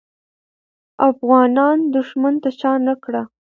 افغانان دښمن ته شا نه کړه.